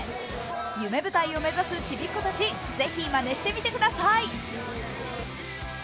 夢舞台を目指すちびっこたち、ぜひまねしてみてください。